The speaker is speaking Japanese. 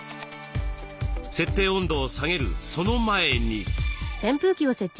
設定温度を下げるその前に。